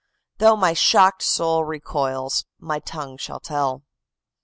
'Though my shocked soul recoils, my tongue shall tell.